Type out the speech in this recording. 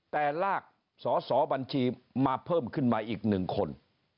แต่รากบัญชีสอปมมาเพิ่มมาอีกหนึ่งคน